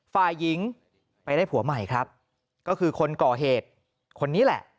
ฝ่ายหญิงไปได้ผัวใหม่ครับก็คือคนก่อเหตุคนนี้แหละ